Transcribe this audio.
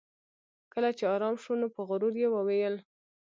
کله چې ارام شو نو په غرور یې وویل